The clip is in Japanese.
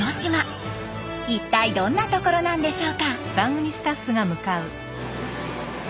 一体どんな所なんでしょうか。